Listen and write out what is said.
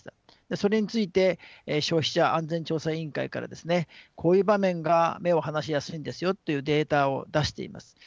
それについて消費者安全調査委員会からこういう場面が目を離しやすいんですよというデータを出しています。